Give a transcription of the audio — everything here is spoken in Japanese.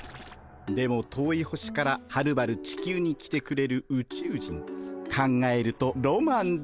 でも遠い星からはるばる地球に来てくれるウチュウ人考えるとロマンです。